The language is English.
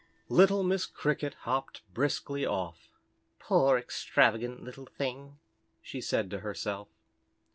Little Miss Cricket hopped briskly off. "Poor, extravagant little thing," she said to herself.